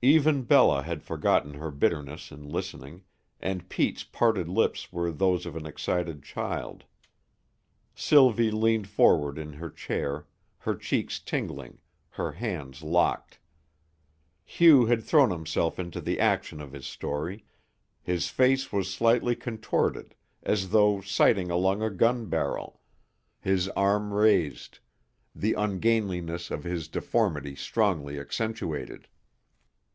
Even Bella had forgotten her bitterness in listening, and Pete's parted lips were those of an excited child. Sylvie leaned forward in her chair, her cheeks tingling, her hands locked. Hugh had thrown himself into the action of his story; his face was slightly contorted as though sighting along a gun barrel, his arm raised, the ungainliness of his deformity strongly accentuated.